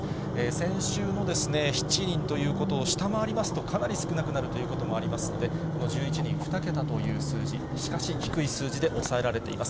先週も７人ということを下回りますと、かなり少なくなるということもありますので、この１１人、２桁という数字、しかし、低い数字で抑えられています。